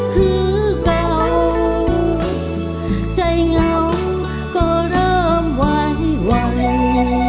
คือเก่าใจเหงาก็เริ่มไว้วาง